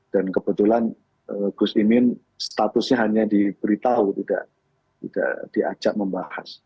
dan kebetulan gus imin statusnya hanya diberitahu tidak diajak membahas